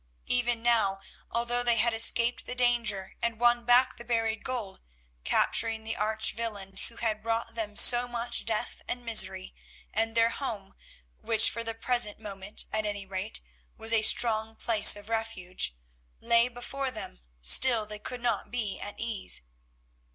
Even now, although they had escaped the danger and won back the buried gold, capturing the arch villain who had brought them so much death and misery, and their home, which, for the present moment at any rate, was a strong place of refuge, lay before them, still they could not be at ease.